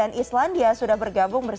acabarnya sudah k dieu saran kenal